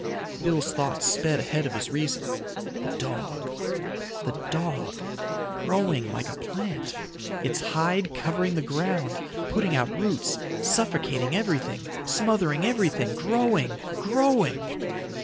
Bill's thoughts sped ahead of his reason. The dog. The dog ... growing like a plant. Its hide covering the ground, putting out roots, suffocating everything, smothering everything, growing, growing.